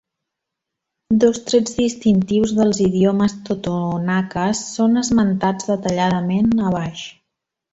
Dos trets distintius dels idiomes totonaques són esmentats detalladament a baix.